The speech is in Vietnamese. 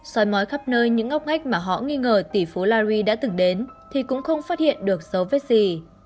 soi mói khắp nơi những ngóc ngách mà họ nghi ngờ tỷ phú lay đã từng đến thì cũng không phát hiện được dấu vết gì